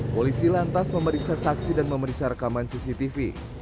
polisi lantas memeriksa saksi dan memeriksa rekaman cctv